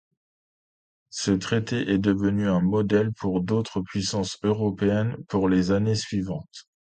Ce traité et devenu un modèle pour d'autres puissances européennes pour les années suivantes.